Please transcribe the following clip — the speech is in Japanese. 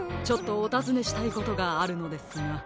ちょっとおたずねしたいことがあるのですが。